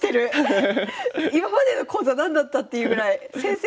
今までの講座何だったっていうぐらい先生